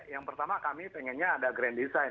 yang pertama kami pengennya ada grand design